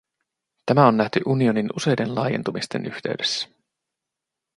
Tämä on nähty unionin useiden laajentumisten yhteydessä.